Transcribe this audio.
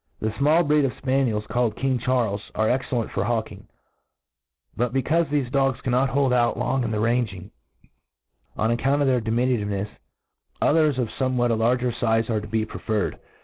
THE fmall breed of Spaniels called King* Charles's, are excellent fpr hawking j but, be r caufc MODERN FAtJLCONRY. fgt Caufe thefe dogs cannot hold out long in ran ging, on accottm of their diminutivcnefs, others of fomewhat a larger fize arc to be preferred.